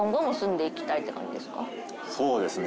そうですね。